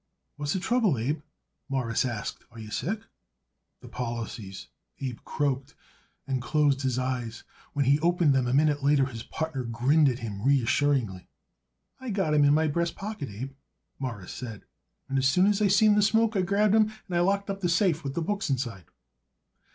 "What's the trouble, Abe?" Morris asked. "Are you sick?" "The policies!" Abe croaked, and closed his eyes. When he opened them a minute later his partner grinned at him reassuringly. "I got 'em in my breast pocket, Abe," Morris said. "As soon as I seen the smoke I grabbed 'em, and I locked up the safe with the books inside."